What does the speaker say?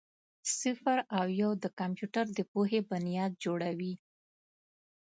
صفر او یو د کمپیوټر د پوهې بنیاد جوړوي.